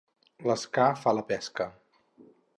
L'esca fa la pesca.